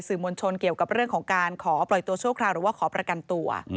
มวลชนเกี่ยวกับเรื่องของการขอปล่อยตัวชั่วคราวหรือว่าขอประกันตัว